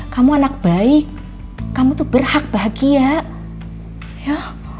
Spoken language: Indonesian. kamu anak baik kamu tuh berhak bahagia ya